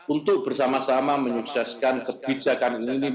untuk bersama sama menyukseskan kebijakan ini